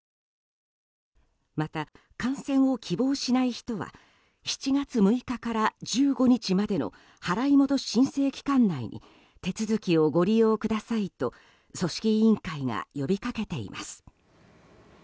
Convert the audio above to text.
また、観戦を希望しない人は７月６日から１５日までの払い戻し申請期間内に手続きをご利用くださいと組織委員会が呼びかけています。